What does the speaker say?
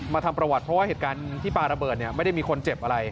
เพราะว่าเหตุการณ์ที่ปราระเบิร์ตไม่ได้มีคนเจ็บอะไร